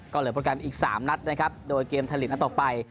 ก็เหลือโปรแกรมอีก๓นัดนะครับโดยเกมไทยลีกนัดต่อไป